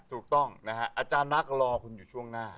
ถูกต้องนะฮะอาจารย์นักรอคุณอยู่ช่วงหน้า